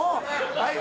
はい。